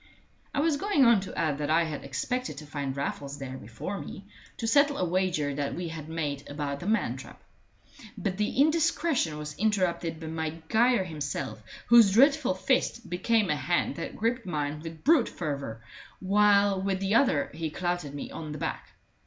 I was going on to add that I had expected to find Raffles there before me, to settle a wager that we had made about the man trap. But the indiscretion was interrupted by Maguire himself, whose dreadful fist became a hand that gripped mine with brute fervor, while with the other he clouted me on the back.